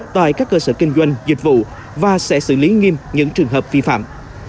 tại các cơ sở kinh doanh dịch vụ và sẽ xử lý nghiêm những trường hợp vi phạm